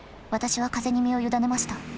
私は風に身を委ねました。